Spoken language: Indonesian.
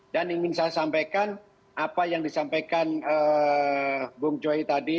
dan ingin saya sampaikan apa yang disampaikan bung joy tadi